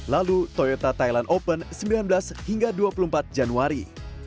lalu toyota thailand open sembilan belas hingga dua puluh empat januari